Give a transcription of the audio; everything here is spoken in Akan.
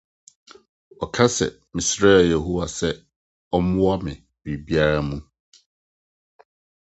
Ɔka sɛ: Mesrɛɛ Yehowa sɛ ɔmmoa me biribiara mu.